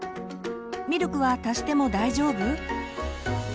「ミルクは足しても大丈夫？」。